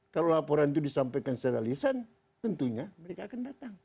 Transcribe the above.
kalau laporan itu disampaikan secara lisan tentunya mereka akan datang